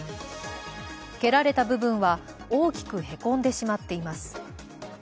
蹴られた部分は、大きくへこんでしまっています。